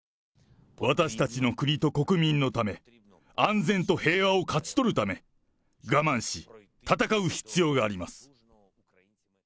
私たちの国と国民のため、安全と平和を勝ち取るため、我慢し、戦う必要があります。